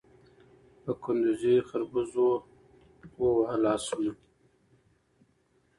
په کندوزي خربوزو ووهه لاسونه